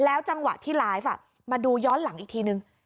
จังหวะที่ไลฟ์มาดูย้อนหลังอีกทีนึง